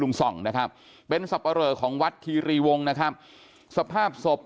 ส่องนะครับเป็นสับปะเรอของวัดคีรีวงนะครับสภาพศพ